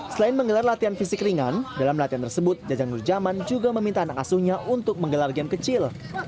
selain menggelar latihan fisik ringan dalam latihan tersebut jajang nurjaman juga meminta anak asuhnya untuk menggelar game kecil